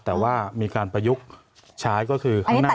แต่ว่ามีการประยุกต์ใช้ก็คือข้างหน้า